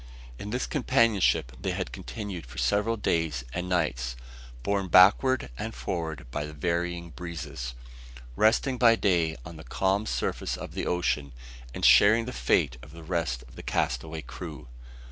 In this companionship they had continued for several days and nights, borne backward and forward by the varying breezes; resting by day on the calm surface of the ocean; and sharing the fate of the rest of the castaway crew.